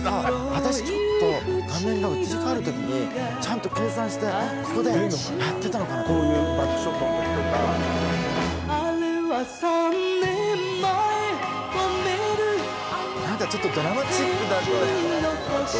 私ちょっと画面がうつりかわる時にちゃんと計算してここでやってたのかなってバックショットの時とかあれは三年前止める何かちょっとドラマチックだったよね